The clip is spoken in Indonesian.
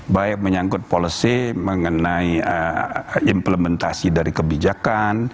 baik menyangkut policy mengenai implementasi dari kebijakan